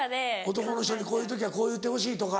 男の人にこういう時はこう言ってほしいとか。